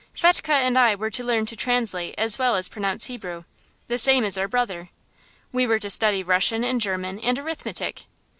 Fetchke and I were to learn to translate as well as pronounce Hebrew, the same as our brother. We were to study Russian and German and arithmetic.